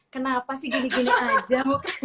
kenapa sih gini gini aja